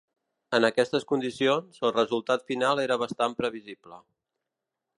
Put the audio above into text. En aquestes condicions, el resultat final era bastant previsible.